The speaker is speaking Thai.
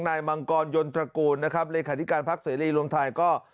นายมังกรยรตรกูลนะครับเลยค่าดิกาห์ภักส์เสรีรวมทางก็